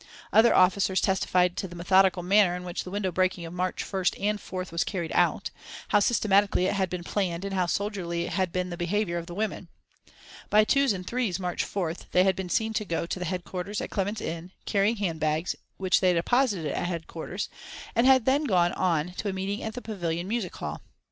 Other officers testified to the methodical manner in which the window breaking of March 1st and 4th was carried out, how systematically it had been planned and how soldierly had been the behaviour of the women. By twos and threes March 4th they had been seen to go to the headquarters at Clement's Inn, carrying handbags, which they deposited at headquarters, and had then gone on to a meeting at the Pavillion Music Hall.